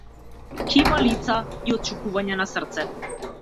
Ќе има лица и отчукувања на срце.